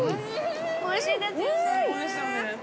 おいしいですよね。